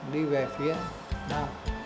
đi về phía đa